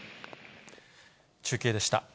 中継でした。